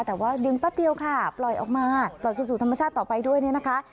แต่ว่าดึงแป๊บเดียวค่ะปล่อยออกมาปล่อยคืนสู่ธรรมชาติต่อไปด้วยเนี่ยนะคะ